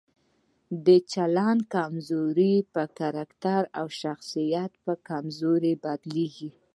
د چلند کمزوري په کرکټر او شخصیت په کمزورۍ بدليږي.